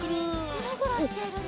グラグラしているね。